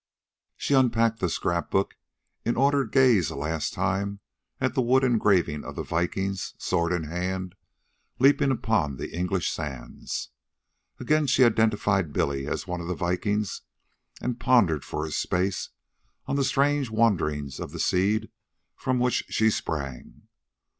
She unpacked the scrap book in order to gaze a last time at the wood engraving of the Vikings, sword in hand, leaping upon the English sands. Again she identified Billy as one of the Vikings, and pondered for a space on the strange wanderings of the seed from which she sprang.